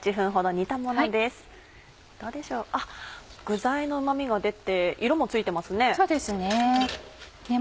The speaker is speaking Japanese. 具材のうま味が出て色もついてますね。